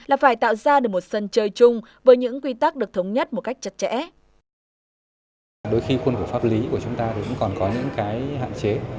là phải tạo ra được một sân chơi chung với những quy tắc được thống nhất một cách chặt chẽ